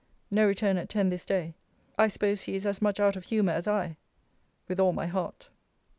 No return at ten this day. I suppose he is as much out of humour as I. With all my heart.